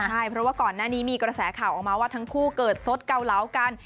ใช่เพราะว่าก่อนหน้านี้มีกระแสข่าวออกมาว่าทั้งคู่เกิดสดเกาเหลากัน